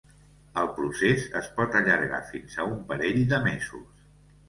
El procés es pot allargar fins a un parell de mesos.